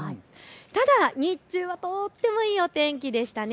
ただ日中はとてもいいお天気でしたね。